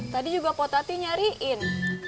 tadi juga potati nyariin